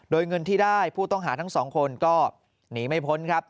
โดยเงินที่ได้ผู้ต้องหาทั้งสองคนก็หนีไม่พ้นครับ